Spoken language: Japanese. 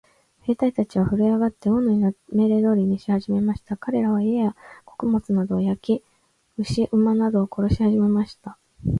兵隊たちはふるえ上って、王の命令通りにしはじめました。かれらは、家や穀物などを焼き、牛馬などを殺しはじめました。